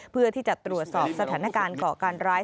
เพื่อที่จะตรวจสอบสถานการณ์ก่อการร้าย